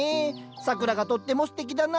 桜がとってもすてきだな。